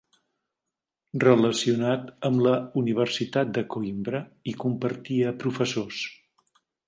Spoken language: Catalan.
Relacionat amb la Universitat de Coïmbra, hi compartia professors.